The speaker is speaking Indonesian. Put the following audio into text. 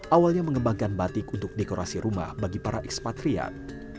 awalnya mengembangkan batik untuk dekorasi rumah bagi para ekspatriat